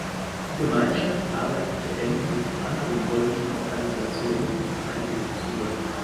Die Gemeinschaft arbeitete eng mit anderen polnischen Organisationen und Vereinigungen zusammen.